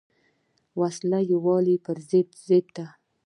وسله د یووالي پر ضد ده